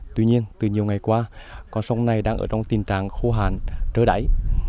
tuy nhiên từ nhiều ngày qua con sông này đang ở trong tình trạng khô hạn trơ đáy